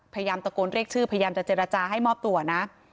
พยายามตะโกนเรียกชื่อพยายามจะเจรจาให้มอบตัวนะ